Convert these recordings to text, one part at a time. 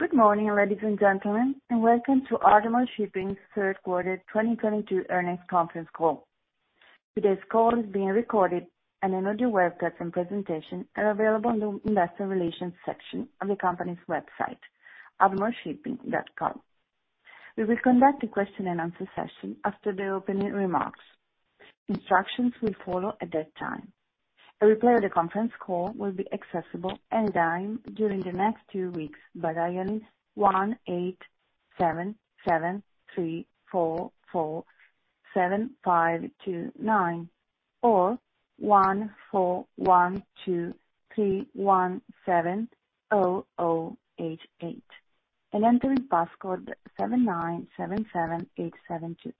Good morning, ladies and gentlemen, and welcome to Ardmore Shipping's Third Quarter 2022 Earnings Conference Call. Today's call is being recorded and an audio webcast and presentation are available on the investor relations section of the company's website, ardmoreshipping.com. We will conduct a question and answer session after the opening remarks. Instructions will follow at that time. A replay of the conference call will be accessible any time during the next two weeks by dialing 1-877-344-7529 or 1-412-317-0088 and entering passcode 797-7872.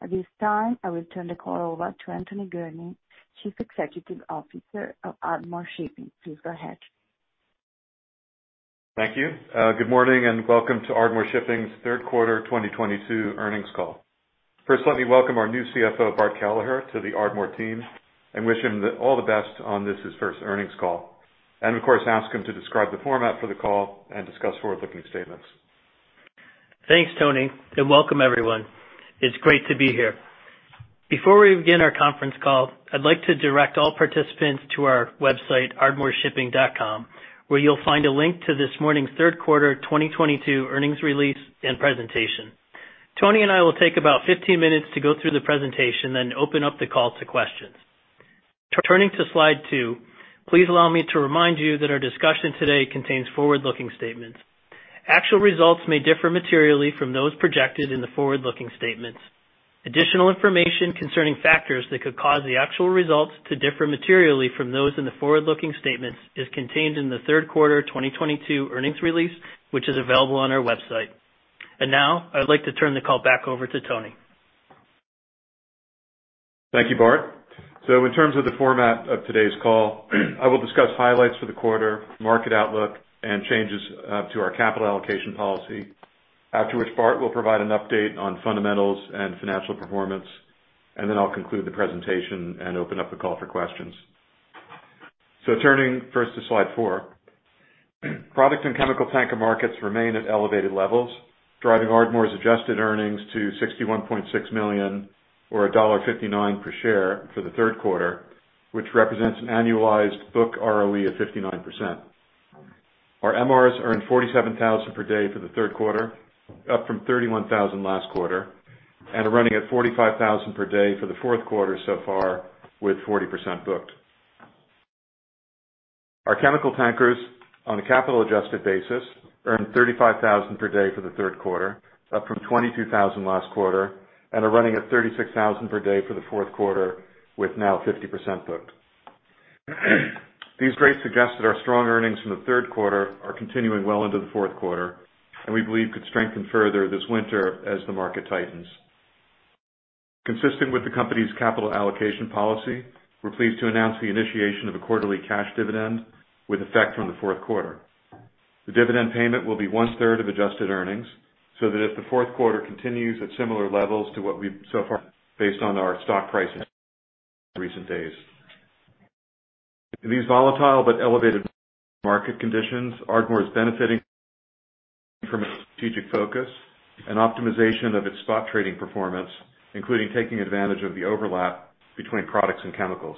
At this time, I will turn the call over to Anthony Gurnee, Chief Executive Officer of Ardmore Shipping. Please go ahead. Thank you. Good morning and welcome to Ardmore Shipping's Third Quarter 2022 Earnings Call. First, let me welcome our new CFO, Bart Kelleher, to the Ardmore team and wish him all the best on this, his first earnings call. Of course, ask him to describe the format for the call and discuss forward-looking statements. Thanks, Tony, and welcome everyone. It's great to be here. Before we begin our conference call, I'd like to direct all participants to our website, ardmoreshipping.com, where you'll find a link to this morning's third quarter 2022 earnings release and presentation. Tony and I will take about 15 minutes to go through the presentation, then open up the call to questions. Turning to slide 2, please allow me to remind you that our discussion today contains forward-looking statements. Actual results may differ materially from those projected in the forward-looking statements. Additional information concerning factors that could cause the actual results to differ materially from those in the forward-looking statements is contained in the third quarter 2022 earnings release, which is available on our website. Now I would like to turn the call back over to Tony. Thank you, Bart. In terms of the format of today's call, I will discuss highlights for the quarter, market outlook, and changes to our capital allocation policy. After which Bart will provide an update on fundamentals and financial performance, and then I'll conclude the presentation and open up the call for questions. Turning first to slide 4. Products and chemical tanker markets remain at elevated levels, driving Ardmore's adjusted earnings to $61.6 million or $1.59 per share for the third quarter, which represents an annualized book ROE of 59%. Our MRs earned $47,000 per day for the third quarter, up from $31,000 last quarter, and are running at $45,000 per day for the fourth quarter so far with 40% booked. Our chemical tanker on a capital adjusted basis earned $35,000 per day for the third quarter, up from $22,000 last quarter, and are running at $36,000 per day for the fourth quarter with now 50% booked. These rates suggest that our strong earnings from the third quarter are continuing well into the fourth quarter and we believe could strengthen further this winter as the market tightens. Consistent with the company's capital allocation policy, we're pleased to announce the initiation of a quarterly cash dividend with effect from the fourth quarter. The dividend payment will be one-third of adjusted earnings, so that if the fourth quarter continues at similar levels to what we've so far based on our stock price in recent days. These volatile but elevated market conditions, Ardmore is benefiting from a strategic focus and optimization of its spot trading performance, including taking advantage of the overlap between products and chemicals.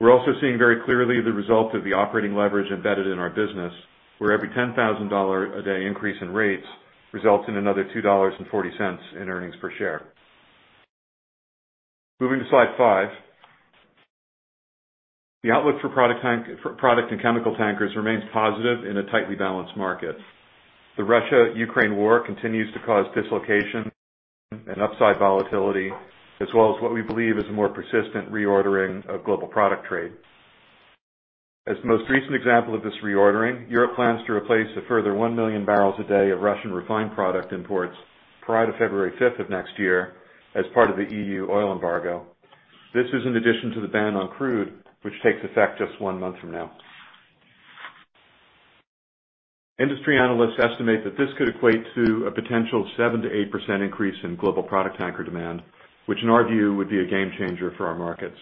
We're also seeing very clearly the result of the operating leverage embedded in our business, where every $10,000 a day increase in rates results in another $2.40 in earnings per share. Moving to slide 5. The outlook for product and chemical tanker remains positive in a tightly balanced market. The Russia-Ukraine war continues to cause dislocation and upside volatility as well as what we believe is a more persistent reordering of global product trade. As the most recent example of this reordering, Europe plans to replace a further 1 million barrels a day of Russian refined product imports prior to February 5 of next year as part of the EU oil embargo. This is in addition to the ban on crude, which takes effect just 1 month from now. Industry analysts estimate that this could equate to a potential 7%-8% increase in global product tanker demand, which in our view would be a game changer for our markets.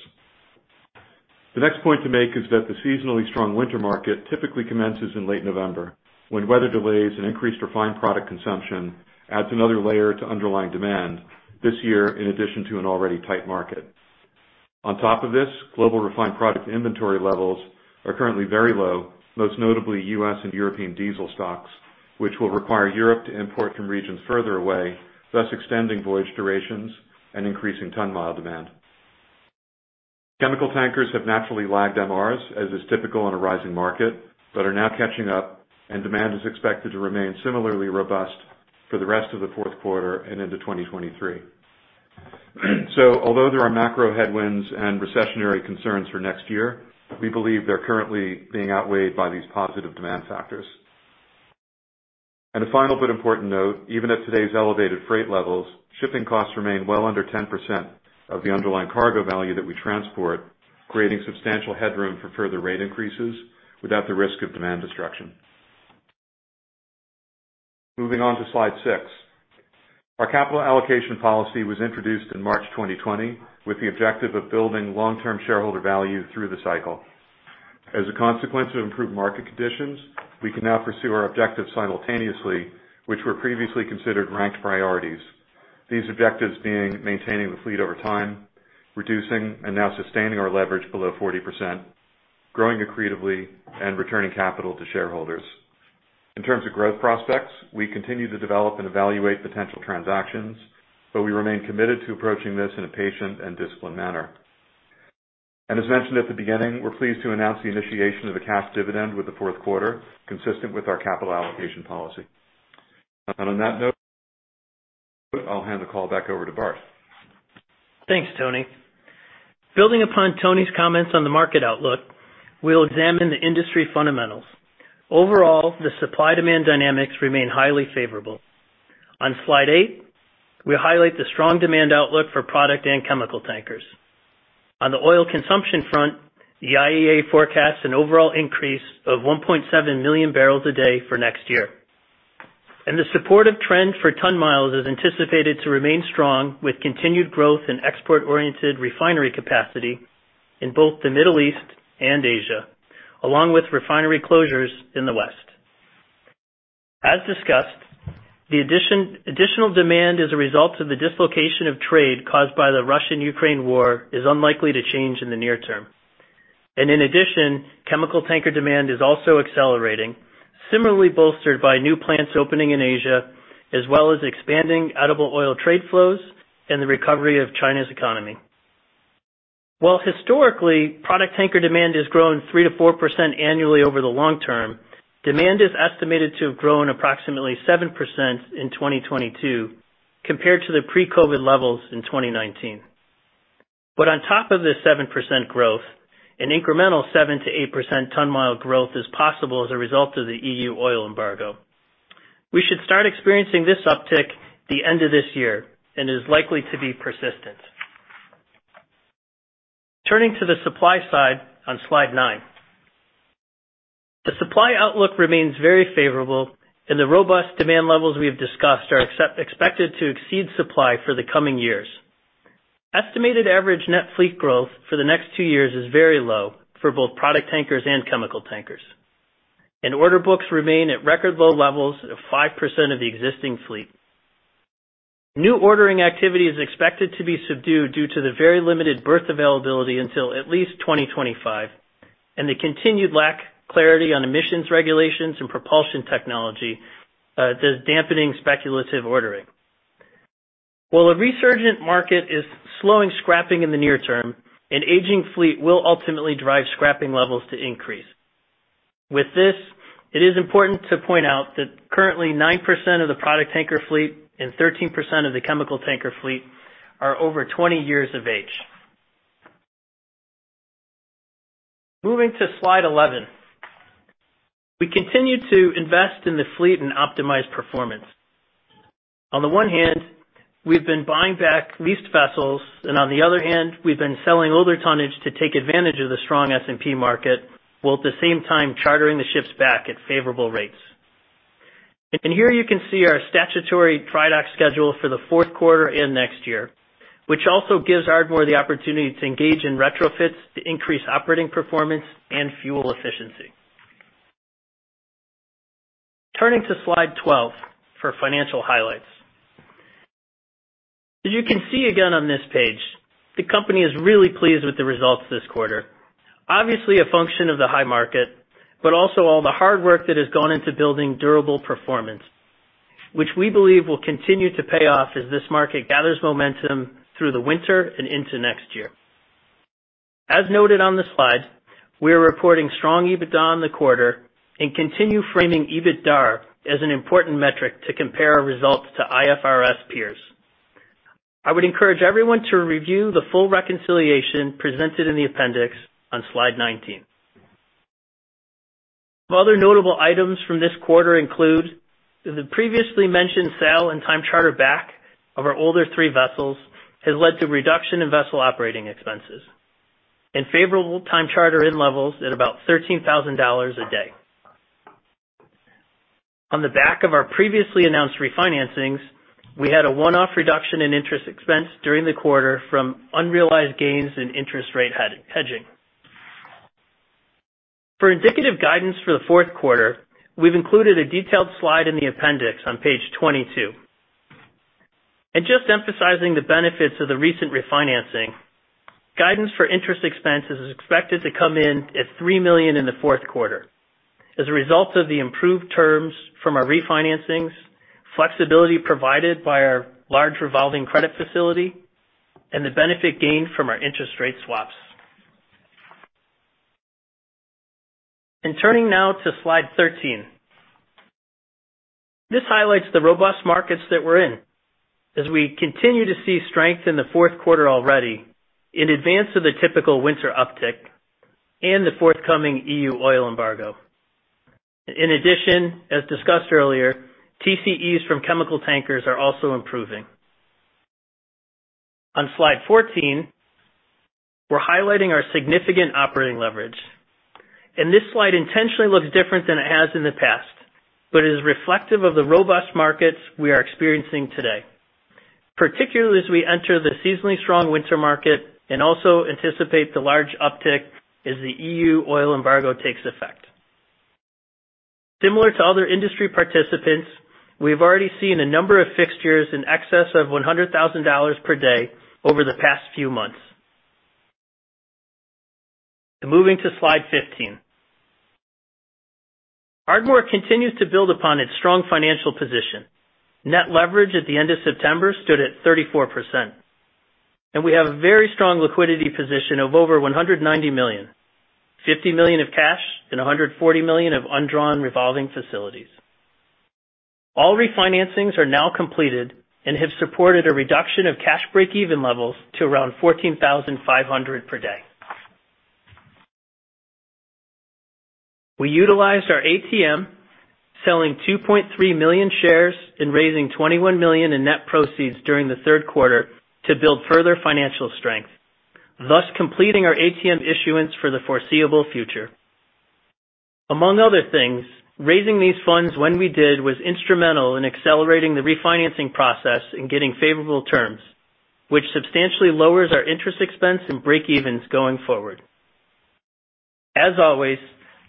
The next point to make is that the seasonally strong winter market typically commences in late November, when weather delays and increased refined product consumption adds another layer to underlying demand this year in addition to an already tight market. On top of this, global refined product inventory levels are currently very low, most notably U.S. and European diesel stocks, which will require Europe to import from regions further away, thus extending voyage durations and increasing ton-mile demand. Chemical tankers have naturally lagged MRs, as is typical in a rising market, but are now catching up, and demand is expected to remain similarly robust for the rest of the fourth quarter and into 2023. Although there are macro headwinds and recessionary concerns for next year, we believe they're currently being outweighed by these positive demand factors. A final but important note, even at today's elevated freight levels, shipping costs remain well under 10% of the underlying cargo value that we transport, creating substantial headroom for further rate increases without the risk of demand destruction. Moving on to slide 6. Our capital allocation policy was introduced in March 2020, with the objective of building long-term shareholder value through the cycle. As a consequence of improved market conditions, we can now pursue our objectives simultaneously, which were previously considered ranked priorities. These objectives being maintaining the fleet over time, reducing and now sustaining our leverage below 40%, growing accretively, and returning capital to shareholders. In terms of growth prospects, we continue to develop and evaluate potential transactions, but we remain committed to approaching this in a patient and disciplined manner. As mentioned at the beginning, we're pleased to announce the initiation of a cash dividend with the fourth quarter, consistent with our capital allocation policy. On that note, I'll hand the call back over to Bart. Thanks, Tony. Building upon Tony's comments on the market outlook, we'll examine the industry fundamentals. Overall, the supply-demand dynamics remain highly favorable. On slide 8, we highlight the strong demand outlook for product and chemical tankers. On the oil consumption front, the IEA forecasts an overall increase of 1.7 million barrels a day for next year. The supportive trend for ton-miles is anticipated to remain strong with continued growth in export-oriented refinery capacity in both the Middle East and Asia, along with refinery closures in the west. As discussed, the additional demand as a result of the dislocation of trade caused by the Russia-Ukraine war is unlikely to change in the near term. In addition, chemical tanker demand is also accelerating, similarly bolstered by new plants opening in Asia, as well as expanding edible oil trade flows and the recovery of China's economy. While historically, product tanker demand has grown 3%-4% annually over the long term, demand is estimated to have grown approximately 7% in 2022 compared to the pre-COVID levels in 2019. On top of this 7% growth, an incremental 7%-8% ton-mile growth is possible as a result of the EU oil embargo. We should start experiencing this uptick the end of this year and is likely to be persistent. Turning to the supply side on slide 9. The supply outlook remains very favorable, and the robust demand levels we have discussed are expected to exceed supply for the coming years. Estimated average net fleet growth for the next two years is very low for both product tankers and chemical tankers, and order books remain at record low levels of 5% of the existing fleet. New ordering activity is expected to be subdued due to the very limited berth availability until at least 2025, and the continued lack of clarity on emissions regulations and propulsion technology, does dampening speculative ordering. While a resurgent market is slowing scrapping in the near term, an aging fleet will ultimately drive scrapping levels to increase. With this, it is important to point out that currently 9% of the product tanker fleet and 13% of the chemical tanker fleet are over 20 years of age. Moving to slide 11. We continue to invest in the fleet and optimize performance. On the one hand, we've been buying back leased vessels, and on the other hand, we've been selling older tonnage to take advantage of the strong S&P market, while at the same time chartering the ships back at favorable rates. Here you can see our statutory dry dock schedule for the fourth quarter and next year, which also gives Ardmore the opportunity to engage in retrofits to increase operating performance and fuel efficiency. Turning to slide 12 for financial highlights. As you can see again on this page, the company is really pleased with the results this quarter. Obviously a function of the high market, but also all the hard work that has gone into building durable performance, which we believe will continue to pay off as this market gathers momentum through the winter and into next year. As noted on the slide, we are reporting strong EBITDA on the quarter and continue framing EBITDAR as an important metric to compare our results to IFRS peers. I would encourage everyone to review the full reconciliation presented in the appendix on slide 19. Some other notable items from this quarter include the previously mentioned sale and time charter back of our older three vessels has led to reduction in vessel operating expenses and favorable time charter in levels at about $13,000 a day. On the back of our previously announced refinancings, we had a one-off reduction in interest expense during the quarter from unrealized gains in interest rate hedging. For indicative guidance for the fourth quarter, we've included a detailed slide in the appendix on page 22. Just emphasizing the benefits of the recent refinancing, guidance for interest expenses is expected to come in at $3 million in the fourth quarter as a result of the improved terms from our refinancings, flexibility provided by our large revolving credit facility, and the benefit gained from our interest rate swaps. Turning now to slide 13. This highlights the robust markets that we're in as we continue to see strength in the fourth quarter already in advance of the typical winter uptick and the forthcoming EU oil embargo. In addition, as discussed earlier, TCEs from chemical tankers are also improving. On slide 14, we're highlighting our significant operating leverage. This slide intentionally looks different than it has in the past, but is reflective of the robust markets we are experiencing today, particularly as we enter the seasonally strong winter market and also anticipate the large uptick as the EU oil embargo takes effect. Similar to other industry participants, we have already seen a number of fixtures in excess of $100,000 per day over the past few months. Moving to slide 15. Ardmore continues to build upon its strong financial position. Net leverage at the end of September stood at 34%, and we have a very strong liquidity position of over $190 million, $50 million of cash and $140 million of undrawn revolving facilities. All refinancings are now completed and have supported a reduction of cash break-even levels to around $14,500 per day. We utilized our ATM, selling 2.3 million shares and raising $21 million in net proceeds during the third quarter to build further financial strength, thus completing our ATM issuance for the foreseeable future. Among other things, raising these funds when we did was instrumental in accelerating the refinancing process and getting favorable terms, which substantially lowers our interest expense and break evens going forward. As always,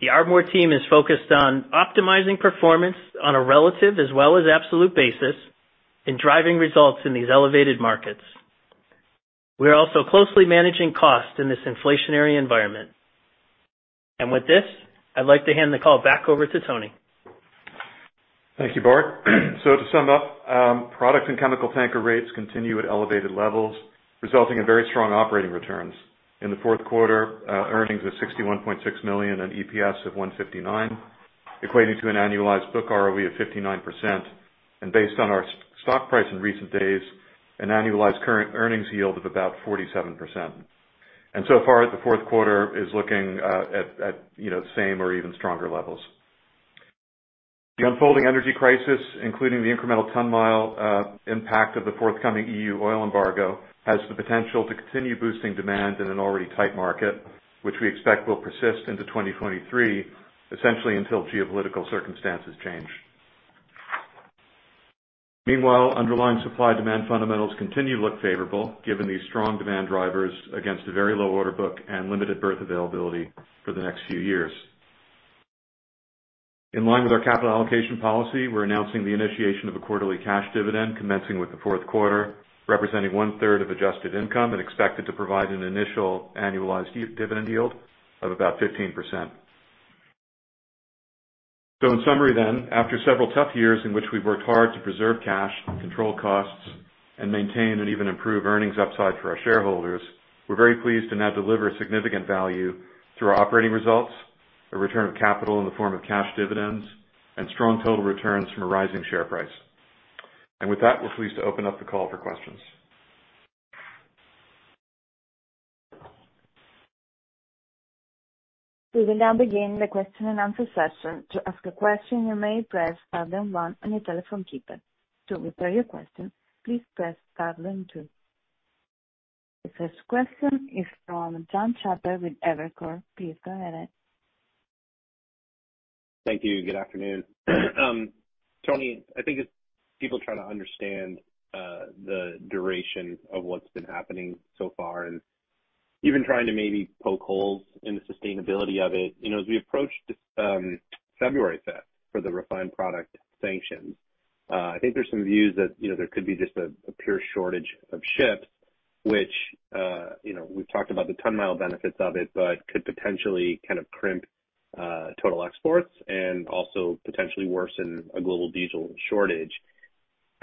the Ardmore team is focused on optimizing performance on a relative as well as absolute basis in driving results in these elevated markets. We are also closely managing costs in this inflationary environment. With this, I'd like to hand the call back over to Tony. Thank you, Bart. To sum up, product and chemical tanker rates continue at elevated levels, resulting in very strong operating returns. In the fourth quarter, earnings of $61.6 million and EPS of $1.59, equating to an annualized book ROE of 59%. Based on our stock price in recent days, an annualized current earnings yield of about 47%. So far, the fourth quarter is looking at you know, same or even stronger levels. The unfolding energy crisis, including the incremental ton-mile impact of the forthcoming EU oil embargo, has the potential to continue boosting demand in an already tight market, which we expect will persist into 2023, essentially until geopolitical circumstances change. Meanwhile, underlying supply-demand fundamentals continue to look favorable given these strong demand drivers against a very low order book and limited berth availability for the next few years. In line with our capital allocation policy, we're announcing the initiation of a quarterly cash dividend commencing with the fourth quarter, representing one-third of adjusted income and expected to provide an initial annualized dividend yield of about 15%. In summary then, after several tough years in which we've worked hard to preserve cash, control costs, and maintain and even improve earnings upside for our shareholders, we're very pleased to now deliver significant value through our operating results, a return of capital in the form of cash dividends, and strong total returns from a rising share price. With that, we're pleased to open up the call for questions. We will now begin the question and answer session. To ask a question, you may press star then one on your telephone keypad. To withdraw your question, please press star then two. The first question is from Jon Chappell with Evercore. Please go ahead. Thank you. Good afternoon. Tony, I think as people try to understand the duration of what's been happening so far and even trying to maybe poke holes in the sustainability of it. You know, as we approach February 5th for the refined product sanctions, I think there's some views that, you know, there could be just a pure shortage of ships, which, you know, we've talked about the ton-mile benefits of it, but could potentially kind of crimp total exports and also potentially worsen a global diesel shortage.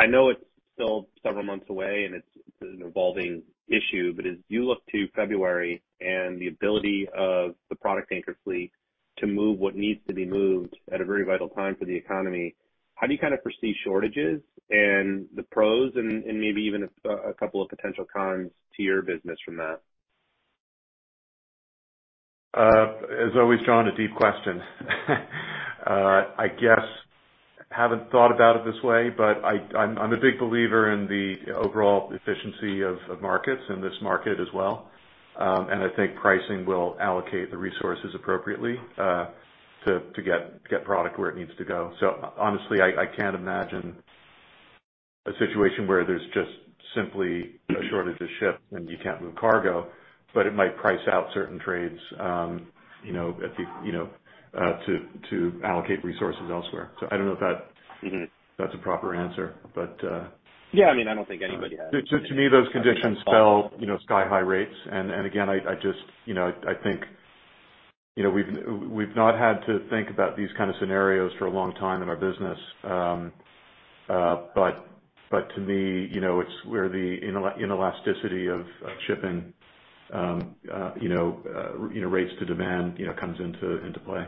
I know it's still several months away, and it's an evolving issue, but as you look to February and the ability of the product tanker fleet to move what needs to be moved at a very vital time for the economy, how do you kind of foresee shortages and the pros and maybe even a couple of potential cons to your business from that? As always, Jon, a deep question. I guess haven't thought about it this way, but I'm a big believer in the overall efficiency of markets and this market as well. I think pricing will allocate the resources appropriately to get product where it needs to go. Honestly, I can't imagine a situation where there's just simply a shortage of ships and you can't move cargo, but it might price out certain trades, you know, to allocate resources elsewhere. I don't know if that Mm-hmm. That's a proper answer, but. Yeah, I mean, I don't think anybody has. To me, those conditions spell, you know, sky-high rates. Again, I just, you know, I think, you know, we've not had to think about these kind of scenarios for a long time in our business. To me, you know, it's where the inelasticity of shipping, you know, rates to demand, you know, comes into play.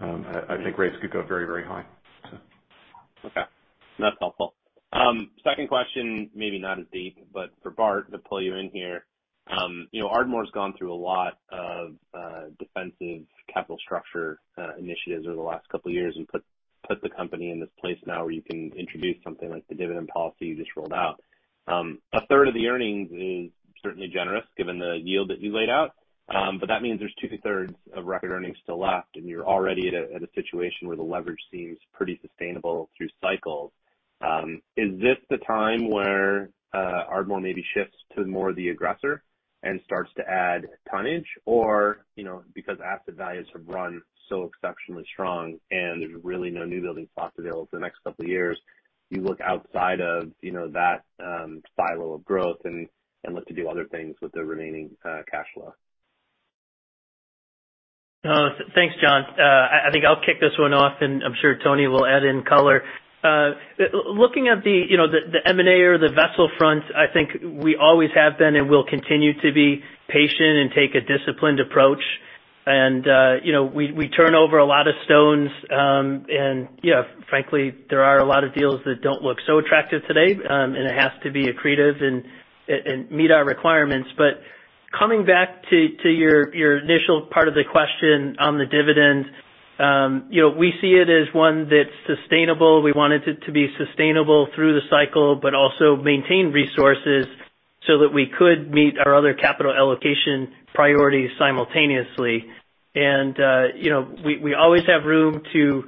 I think rates could go very high. Okay. That's helpful. Second question, maybe not as deep, but for Bart to pull you in here. You know, Ardmore's gone through a lot of defensive capital structure initiatives over the last couple years and put the company in this place now where you can introduce something like the dividend policy you just rolled out. A third of the earnings is certainly generous given the yield that you laid out. That means there's two-thirds of record earnings still left, and you're already at a situation where the leverage seems pretty sustainable through cycles. Is this the time where Ardmore maybe shifts to more the aggressor and starts to add tonnage or, you know, because asset values have run so exceptionally strong and there's really no new building slots available for the next couple of years, you look outside of, you know, that, silo of growth and look to do other things with the remaining, cash flow? Thanks, Jon. I think I'll kick this one off, and I'm sure Tony will add in color. Looking at you know the M&A or the vessel front, I think we always have been and will continue to be patient and take a disciplined approach and you know we turn over a lot of stones and you know frankly there are a lot of deals that don't look so attractive today and it has to be accretive and meet our requirements. Coming back to your initial part of the question on the dividend, you know we see it as one that's sustainable. We want it to be sustainable through the cycle, but also maintain resources so that we could meet our other capital allocation priorities simultaneously. You know, we always have room to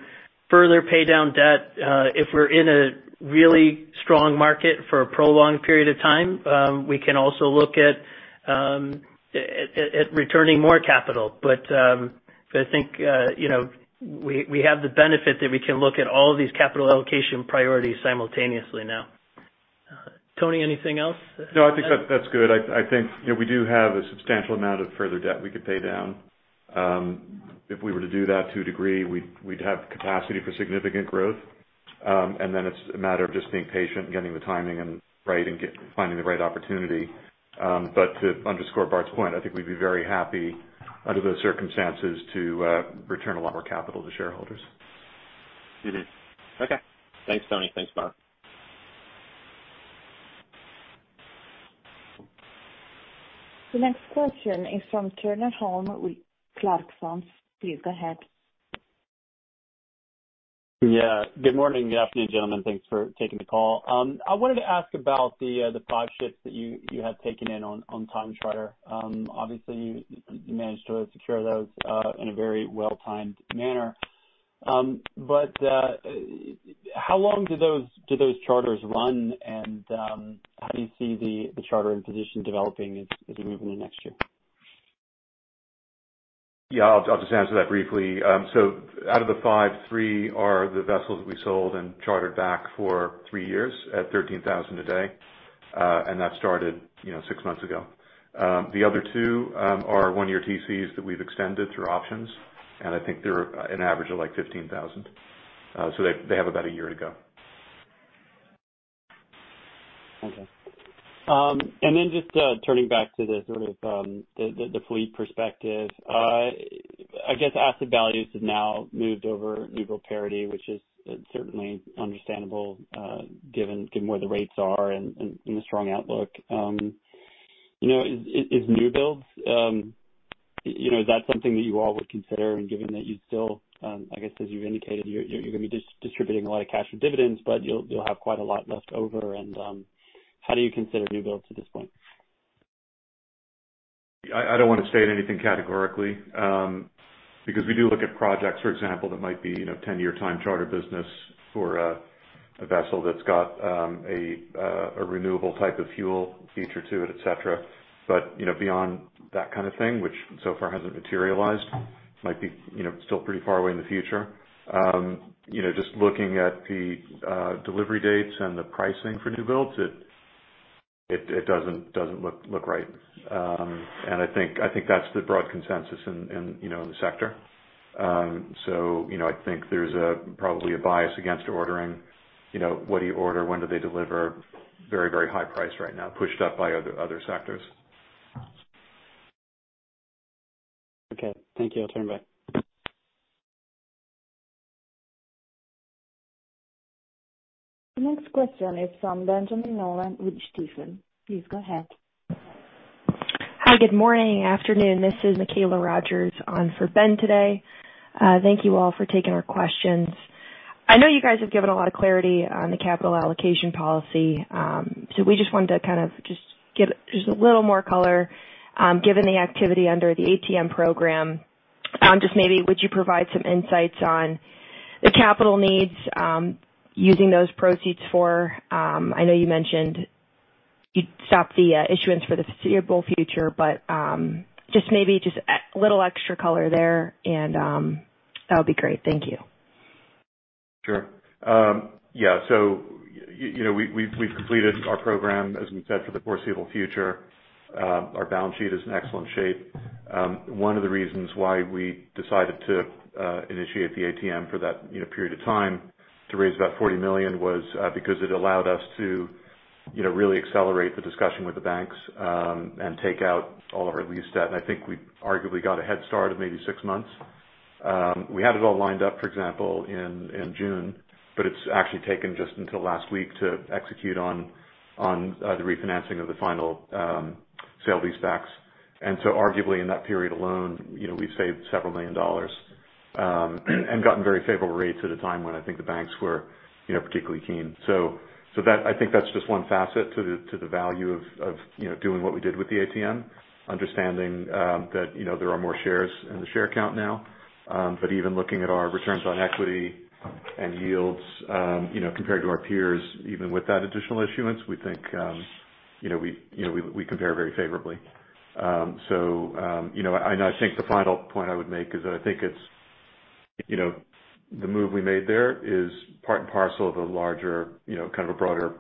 further pay down debt. If we're in a really strong market for a prolonged period of time, we can also look at returning more capital. I think, you know, we have the benefit that we can look at all of these capital allocation priorities simultaneously now. Tony, anything else? No, I think that's good. I think, you know, we do have a substantial amount of further debt we could pay down. If we were to do that to a degree, we'd have capacity for significant growth. Then it's a matter of just being patient and getting the timing right and finding the right opportunity. But to underscore Bart's point, I think we'd be very happy under those circumstances to return a lot more capital to shareholders. Okay. Thanks, Tony. Thanks, Bart. The next question is from Turner Holm with Clarksons. Please go ahead. Yeah, good morning. Good afternoon, gentlemen. Thanks for taking the call. I wanted to ask about the five ships that you have taken in on time charter. Obviously, you managed to secure those in a very well-timed manner. How long do those charters run and how do you see the chartering position developing as we move into next year? Yeah, I'll just answer that briefly. Out of the five, three are the vessels we sold and chartered back for three years at $13,000 a day. That started, you know, six months ago. The other two are one-year TCs that we've extended through options, and I think they're an average of, like, $15,000. They have about a year to go. Just turning back to the sort of the fleet perspective. I guess asset values have now moved over new build parity, which is certainly understandable, given where the rates are and the strong outlook. You know, is new builds, you know, is that something that you all would consider and given that you still, I guess as you indicated, you're gonna be distributing a lot of cash and dividends, but you'll have quite a lot left over and how do you consider new builds at this point? I don't wanna state anything categorically, because we do look at projects, for example, that might be, you know, 10-year time charter business for a vessel that's got a renewable type of fuel feature to it, et cetera. You know, beyond that kind of thing, which so far hasn't materialized, might be, you know, still pretty far away in the future. You know, just looking at the delivery dates and the pricing for new builds, it doesn't look right. I think that's the broad consensus in, you know, the sector. You know, I think there's probably a bias against ordering, you know, what do you order? When do they deliver? Very high price right now, pushed up by other sectors. Okay. Thank you. I'll turn back. Next question is from Benjamin Nolan with Stifel. Please go ahead. Hi, good morning, afternoon. This is Michaela Rogers on for Ben today. Thank you all for taking our questions. I know you guys have given a lot of clarity on the capital allocation policy. We just wanted to kind of get a little more color, given the activity under the ATM program. Just maybe would you provide some insights on the capital needs, using those proceeds for, I know you mentioned you'd stop the issuance for the foreseeable future, but just maybe a little extra color there and that'll be great. Thank you. Sure. Yeah. You know, we've completed our program, as we said, for the foreseeable future. Our balance sheet is in excellent shape. One of the reasons why we decided to initiate the ATM for that, you know, period of time to raise about $40 million was because it allowed us to, you know, really accelerate the discussion with the banks and take out all of our lease debt. I think we arguably got a head start of maybe six months. We had it all lined up, for example, in June, but it's actually taken just until last week to execute on the refinancing of the final sale-leasebacks. Arguably, in that period alone, you know, we saved several million dollars and gotten very favorable rates at a time when I think the banks were, you know, particularly keen. So that I think that's just one facet to the value of, you know, doing what we did with the ATM, understanding that, you know, there are more shares in the share count now. But even looking at our returns on equity and yields, you know, compared to our peers, even with that additional issuance, we think, you know, we compare very favorably. You know, I think the final point I would make is that I think it's, you know, the move we made there is part and parcel of a larger, you know, kind of a broader,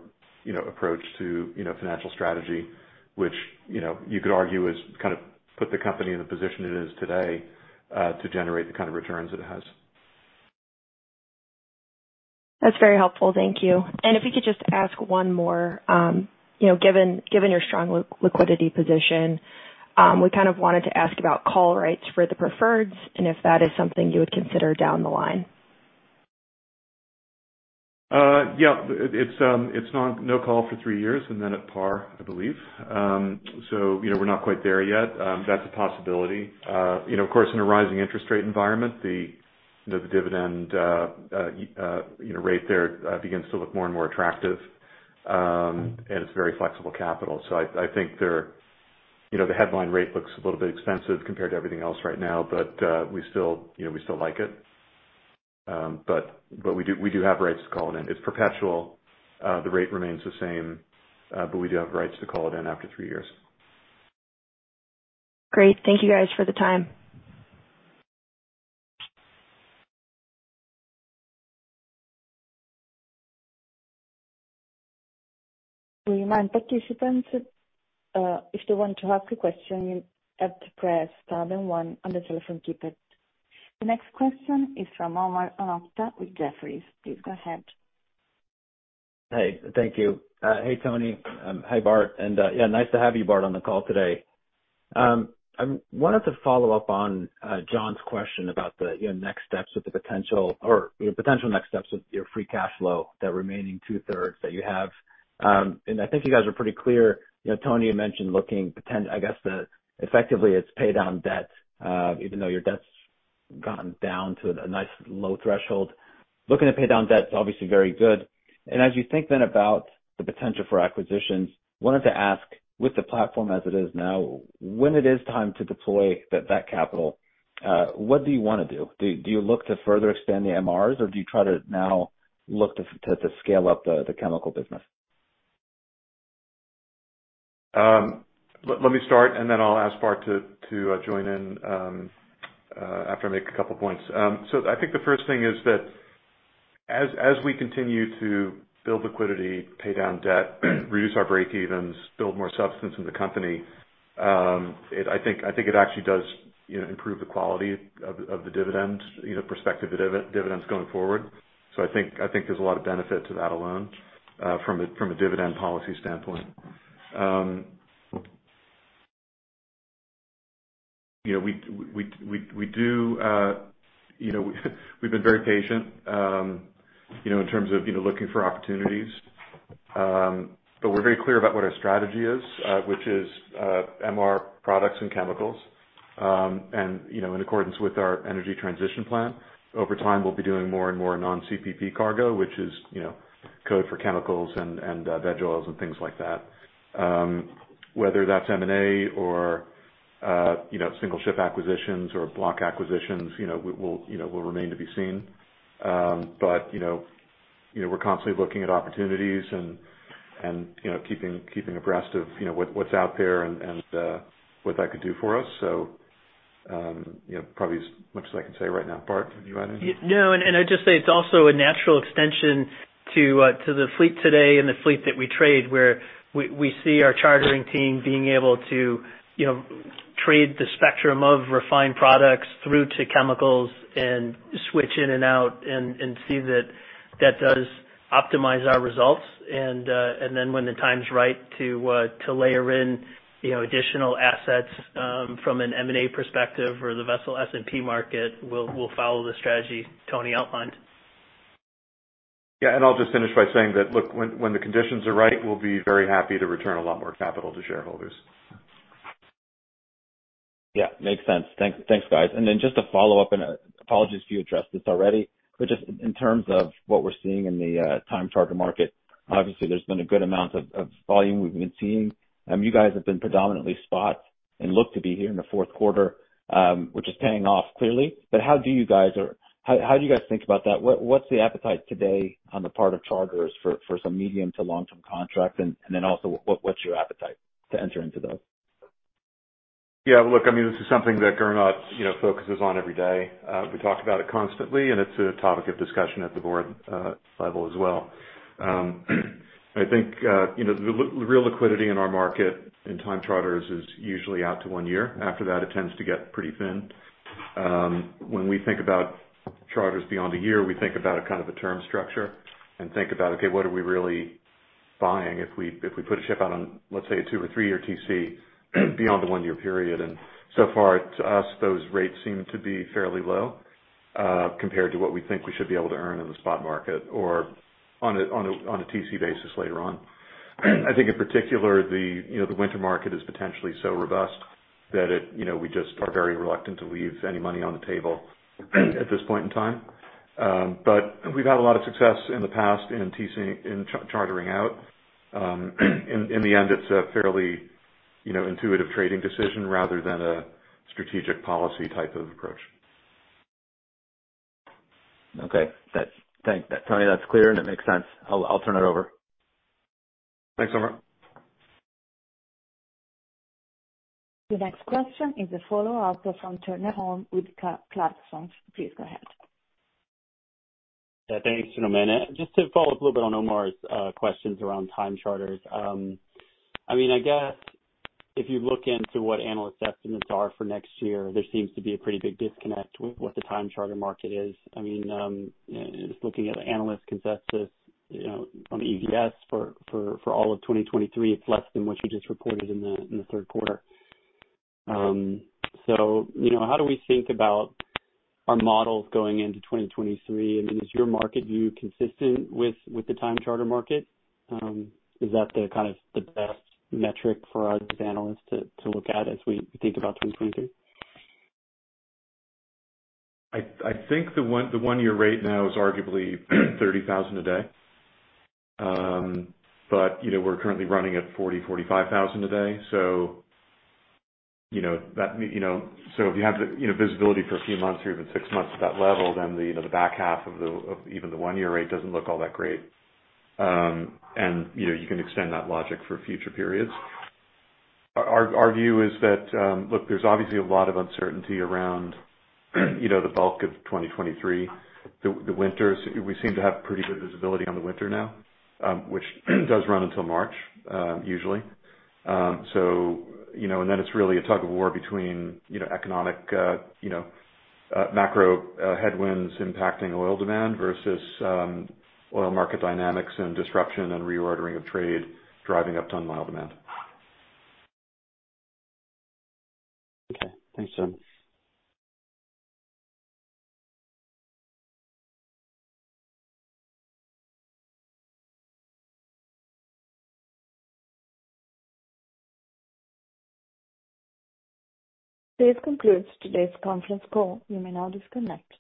you know, approach to, you know, financial strategy, which, you know, you could argue is kind of put the company in the position it is today, to generate the kind of returns it has. That's very helpful. Thank you. If we could just ask one more. You know, given your strong liquidity position, we kind of wanted to ask about call rights for the preferreds and if that is something you would consider down the line. Yeah, it's not no call for three years and then at par, I believe. You know, we're not quite there yet. That's a possibility. You know, of course, in a rising interest rate environment, the dividend rate there begins to look more and more attractive, and it's very flexible capital. I think there, you know, the headline rate looks a little bit expensive compared to everything else right now, but we still like it. But we do have rights to call it in. It's perpetual. The rate remains the same, but we do have rights to call it in after three years. Great. Thank you guys for the time. We remind participants, if they want to ask a question, you have to press star then one on the telephone keypad. The next question is from Omar Nokta with Jefferies. Please go ahead. Hey, thank you. Hey, Tony. Hi, Bart. Yeah, nice to have you, Bart, on the call today. I wanted to follow up on Jon's question about the, you know, next steps with the potential or, you know, potential next steps with your free cash flow, the remaining two-thirds that you have. I think you guys are pretty clear. You know, Tony, you mentioned looking. I guess effectively it's pay down debt, even though your debt's gotten down to a nice low threshold. Looking to pay down debt is obviously very good. As you think then about the potential for acquisitions, wanted to ask, with the platform as it is now, when it is time to deploy that capital, what do you wanna do? Do you look to further expand the MRs, or do you try to now look to scale up the chemical business? Let me start, and then I'll ask Bart to join in after I make a couple points. I think the first thing is that as we continue to build liquidity, pay down debt, reduce our breakevens, build more substance in the company, I think it actually does, you know, improve the quality of the dividend, you know, prospective dividends going forward. I think there's a lot of benefit to that alone from a dividend policy standpoint. You know, we do, you know, we've been very patient, you know, in terms of looking for opportunities. We're very clear about what our strategy is, which is MR products and chemicals. you know, in accordance with our energy transition plan, over time, we'll be doing more and more non-CPP cargo, which is, you know, code for chemicals and veg oils and things like that. Whether that's M&A or, you know, single ship acquisitions or block acquisitions, you know, will remain to be seen. you know, we're constantly looking at opportunities and, you know, keeping abreast of, you know, what's out there and what that could do for us. you know, probably as much as I can say right now. Bart, can you add anything? I'd just say it's also a natural extension to the fleet today and the fleet that we trade, where we see our chartering team being able to, you know, trade the spectrum of refined products through to chemicals and switch in and out and see that does optimize our results. When the time's right to layer in, you know, additional assets from an M&A perspective or the vessel S&P market, we'll follow the strategy Tony outlined. Yeah. I'll just finish by saying that, look, when the conditions are right, we'll be very happy to return a lot more capital to shareholders. Yeah, makes sense. Thanks, guys. Just to follow up, apologies if you addressed this already, but just in terms of what we're seeing in the time charter market, obviously there's been a good amount of volume we've been seeing. You guys have been predominantly spot and look to be here in the fourth quarter, which is paying off clearly. How do you guys think about that? What's the appetite today on the part of charters for some medium to long-term contract? What's your appetite to enter into those? Yeah, look, I mean, this is something that Gernot, you know, focuses on every day. We talk about it constantly, and it's a topic of discussion at the board level as well. I think, you know, the real liquidity in our market in time charters is usually out to one year. After that, it tends to get pretty thin. When we think about charters beyond a year, we think about a kind of a term structure and think about, okay, what are we really buying if we, if we put a ship out on, let's say, a two- or three-year TC beyond the one-year period. So far, to us, those rates seem to be fairly low, compared to what we think we should be able to earn in the spot market or on a TC basis later on. I think in particular, the you know the winter market is potentially so robust that it you know we just are very reluctant to leave any money on the table at this point in time. We've had a lot of success in the past in chartering out. In the end, it's a fairly you know intuitive trading decision rather than a strategic policy type of approach. Okay. Tony, that's clear, and it makes sense. I'll turn it over. Thanks, Omar. The next question is a follow-up from Turner Holm with Clarksons. Please go ahead. Yeah, thanks. In a minute. Just to follow up a little bit on Omar's questions around time charters. I mean, I guess if you look into what analyst estimates are for next year, there seems to be a pretty big disconnect with what the time charter market is. I mean, just looking at analyst consensus, you know, on EPS for all of 2023, it's less than what you just reported in the third quarter. You know, how do we think about our models going into 2023? Is your market view consistent with the time charter market? Is that the kind of the best metric for us as analysts to look at as we think about 2023? I think the one-year rate now is arguably $30,000 a day. You know, we're currently running at $45,000 a day. You know, that. If you have the visibility for a few months or even six months at that level, then the back half of even the one-year rate doesn't look all that great. You know, you can extend that logic for future periods. Our view is that, look, there's obviously a lot of uncertainty around, you know, the bulk of 2023. The winters, we seem to have pretty good visibility on the winter now, which does run until March, usually. You know, it's really a tug of war between, you know, economic, you know, macro headwinds impacting oil demand versus oil market dynamics and disruption and reordering of trade driving up ton-mile demand. Okay. Thanks, Tony. This concludes today's conference call. You may now disconnect.